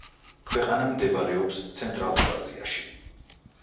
ქვეყანა მდებარეობს ცენტრალურ აზიაში.